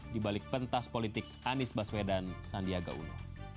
di balik pentas politik anies baswedan sandiaga uno